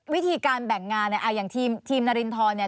วิธีการแบ่งงานอย่างทีมนรินทร